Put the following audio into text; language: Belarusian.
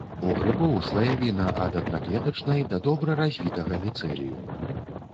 У грыбоў слаявіна ад аднаклетачнай да добра развітага міцэлію.